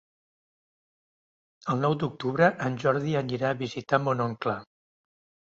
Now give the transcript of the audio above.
El nou d'octubre en Jordi anirà a visitar mon oncle.